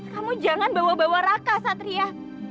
kamu jangan bawa bawa raka satria